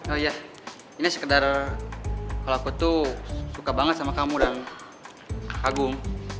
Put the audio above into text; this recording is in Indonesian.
oh iya ini sekedar kalau aku tuh suka banget sama kamu dan kagum